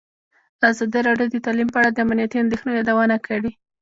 ازادي راډیو د تعلیم په اړه د امنیتي اندېښنو یادونه کړې.